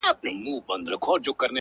o سپينه خولگۍ راپسي مه ږغوه ـ